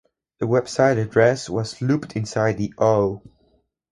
The website address was looped inside the "O".